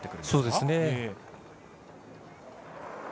そうですね。